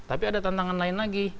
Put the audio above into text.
tapi ada tantangan lain lagi